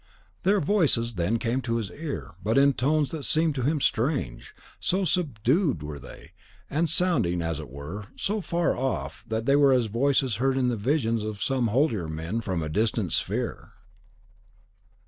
Their voices then came to his ear, but in tones that seemed to him strange; so subdued were they, and sounding, as it were, so far off, that they were as voices heard in the visions of some holier men from a distant sphere.